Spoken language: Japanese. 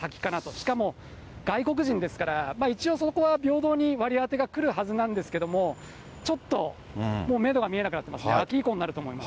しかも外国人ですから、一応、そこは平等に割り当てがくるはずなんですけど、ちょっと、もうメドが見えなくなってますね、秋以降になると思います。